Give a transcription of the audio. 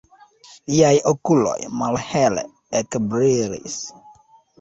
Liaj okuloj malhele ekbrilis.